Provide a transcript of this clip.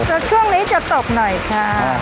แต่ช่วงนี้จะตกหน่อยค่ะ